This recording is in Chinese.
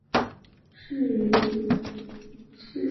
仕于赤松晴政。